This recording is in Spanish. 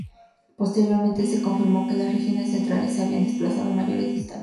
Posteriormente se confirmó que las regiones centrales se habían desplazado mayores distancias.